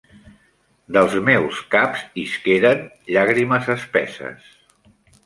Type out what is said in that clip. Dels meus caps isqueren llàgrimes espesses.